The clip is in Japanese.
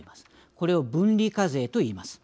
これを分離課税といいます。